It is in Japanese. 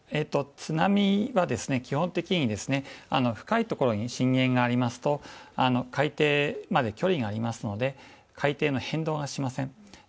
津波は基本的に深いところに震源がありますと、海底まで距離がありますので海底の変動をしません。